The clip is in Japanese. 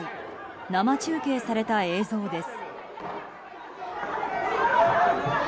生中継された映像です。